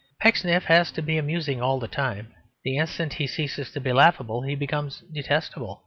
Pecksniff has to be amusing all the time; the instant he ceases to be laughable he becomes detestable.